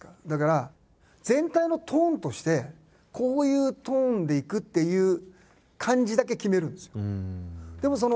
だから全体のトーンとしてこういうトーンでいくっていう感じだけ決めるんですよ。